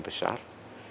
indonesia demikian besar